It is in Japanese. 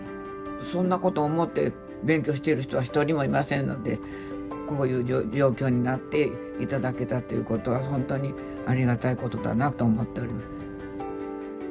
そんなこと思って勉強してる人は一人もいませんのでこういう状況になって頂けたっていうことは本当にありがたいことだなと思っております。